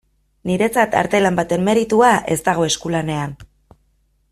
Niretzat artelan baten meritua ez dago eskulanean.